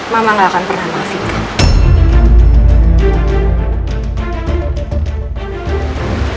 mama gak akan pernah maafin kamu